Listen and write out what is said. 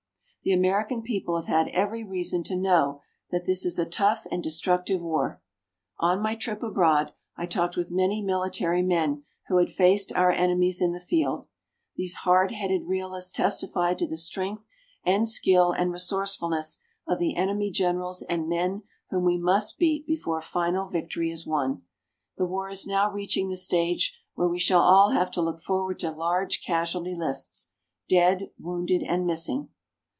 The American people have had every reason to know that this is a tough and destructive war. On my trip abroad, I talked with many military men who had faced our enemies in the field. These hard headed realists testify to the strength and skill and resourcefulness of the enemy generals and men whom we must beat before final victory is won. The war is now reaching the stage where we shall all have to look forward to large casualty lists dead, wounded and missing.